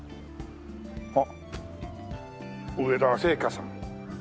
あっ「植田製菓」さん。